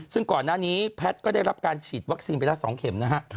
ซึ่งก่อนหน้านี้แพทย์ก็ได้รับการฉีดวัคซีนไปแล้ว๒เข็มนะฮะ